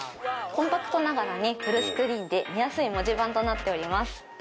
コンパクトながらにフルスクリーンで見やすい文字盤となっております